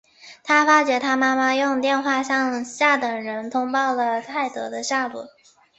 他发觉他妈妈用电话向下等人通报了泰德的下落。